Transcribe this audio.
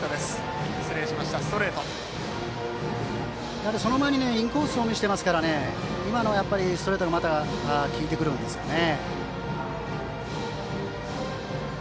今のは、その前にインコースを見せているので今のストレートが効いてくるんですよね。